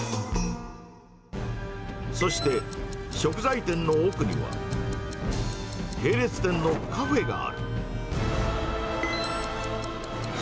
そして、食材店の奥には、系列店のカフェがある。